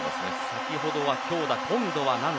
先ほどは強打、今度は軟打。